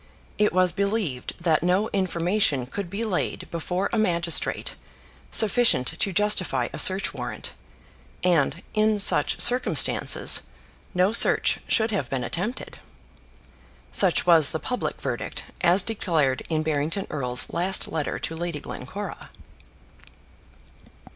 It was believed that no information could be laid before a magistrate sufficient to justify a search warrant; and, in such circumstances, no search should have been attempted. Such was the public verdict, as declared in Barrington Erle's last letter to Lady Glencora.